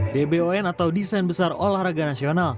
dbon atau desain besar olahraga nasional